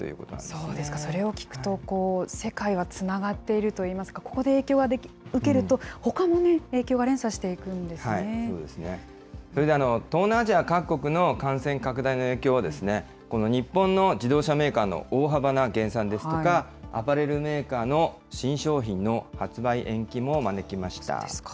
そうですか、それを聞くと、世界はつながっているといいますか、ここで影響を受けると、ほかもね、影響が連鎖していくんですそうですね、それで、東南アジア各国の感染拡大の影響は、この日本の自動車メーカーの大幅な減産ですとか、アパレルメーカーの新商品の発売延期も招きました。